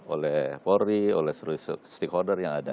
oleh polri oleh seluruh stakeholder yang ada